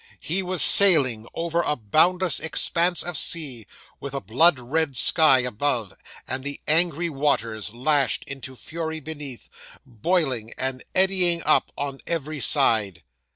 He was sailing over a boundless expanse of sea, with a blood red sky above, and the angry waters, lashed into fury beneath, boiling and eddying up, on every side.